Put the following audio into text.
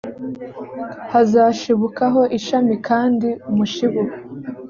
hazashibukaho ishami kandi umushibu